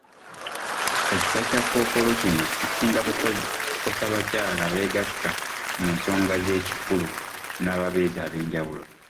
Ekika Kya kkookolo kino kisinga kukosa bakyala abeegatta mu nsonga z'ekikulu n'ababeezi ab'enjawulo.